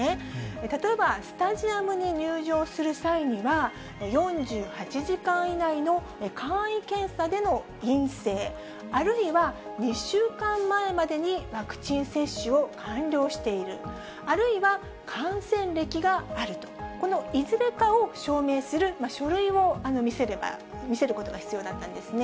例えば、スタジアムに入場する際には、４８時間以内の簡易検査での陰性、あるいは２週間前までにワクチン接種を完了している、あるいは感染歴があると、このいずれかを証明する書類を見せることが必要だったんですね。